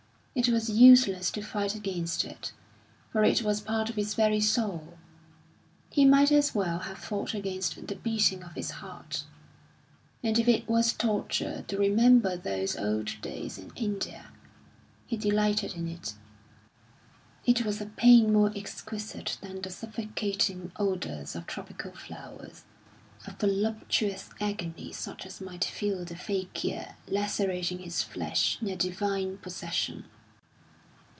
It was useless to fight against it, for it was part of his very soul; he might as well have fought against the beating of his heart. And if it was torture to remember those old days in India, he delighted in it; it was a pain more exquisite than the suffocating odours of tropical flowers, a voluptuous agony such as might feel the fakir lacerating his flesh in a divine possession....